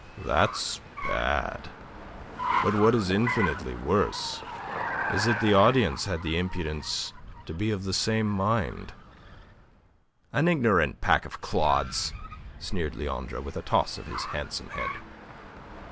"That's bad. But what is infinitely worse is that the audience had the impudence to be of the same mind." "An ignorant pack of clods," sneered Leandre, with a toss of his handsome head.